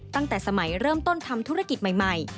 ตั้งแต่สมัยเริ่มต้นทำธุรกิจใหม่